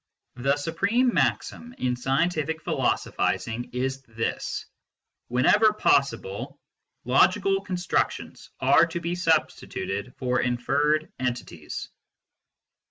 The supreme maxim in scientific philosophising is this : Wherever possible, logical constructions are to be sub stituted for inferred entities.